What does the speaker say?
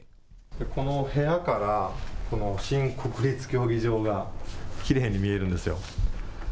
この部屋からこの新国立競技場がきれいに見えるんですよ。